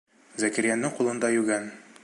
Зәкирйәндең ҡулында йүгән.